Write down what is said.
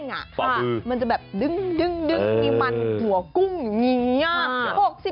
ฝ่าพื้นมันจะแบบดึงมีมันหัวกุ้งอยู่อย่างนี้